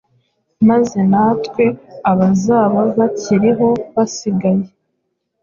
Maze natwe abazaba bakiriho basigaye